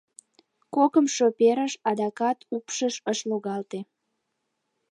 Кокымшо перыш — адакат упшыш ыш логалте.